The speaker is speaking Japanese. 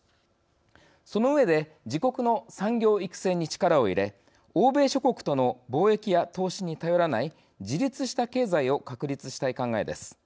その上で自国の産業育成に力を入れ欧米諸国との貿易や投資に頼らない自立した経済を確立したい考えです。